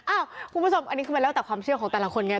อันนี้คือมาเล่าแต่ความเชื่อของแต่ละคนเนี่ย